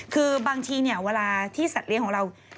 คือบางทีเวลาที่สัตว์เรียนของเรา